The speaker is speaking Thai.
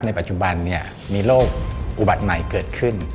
ในปัจจุบันมีโรคอุบัติใหม่เกิดขึ้น